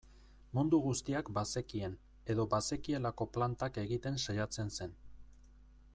Mundu guztiak bazekien edo bazekielako plantak egiten saiatzen zen.